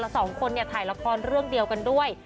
สองคนเนี่ยถ่ายละครเรื่องเดียวกันด้วย